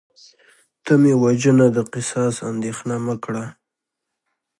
ته مې وژنه د قصاص اندیښنه مه کړه